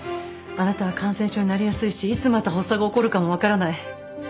あなたは感染症になりやすいしいつまた発作が起こるかも分からない。